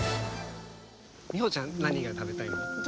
みほちゃん何が食べたいの？